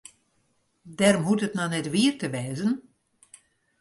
Dêrom hoecht it noch net wier te wêzen.